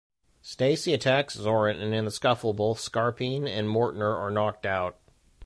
Stacey attacks Zorin and in the scuffle both Scarpine and Mortner are knocked out.